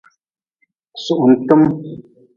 Suhuntm.